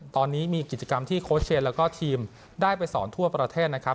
ตอนนี้มีกิจกรรมที่โค้ชเชนแล้วก็ทีมได้ไปสอนทั่วประเทศนะครับ